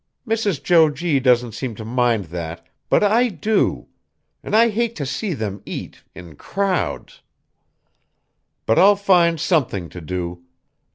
Mrs. Jo G. doesn't seem to mind that, but I do. And I hate to see them eat in crowds. But I'll find something to do.